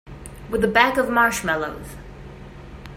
With a bag of marshmallows.